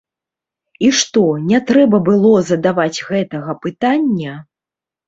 І што, не трэба было задаваць гэтага пытання?